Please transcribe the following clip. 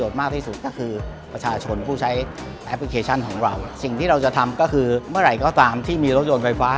การเตรียมความพร้อมการติดตั้งสถานีอัดประจุไฟฟ้า